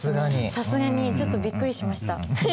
さすがにちょっとびっくりしました。